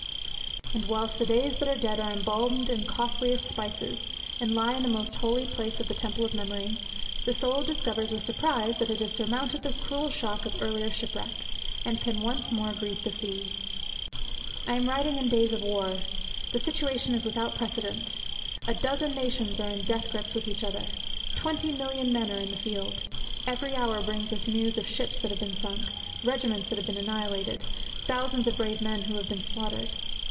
And whilst the days that are dead are embalmed in costliest spices, and lie in the most holy place of the temple of memory, the soul discovers with surprise that it has surmounted the cruel shock of earlier shipwreck, and can once more greet the sea. I am writing in days of war. The situation is without precedent. A dozen nations are in death grips with each other. Twenty million men are in the field. Every hour brings us news of ships that have been sunk, regiments that have been annihilated, thousands of brave men who have been slaughtered.